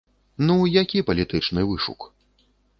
Ну, які палітычны вышук?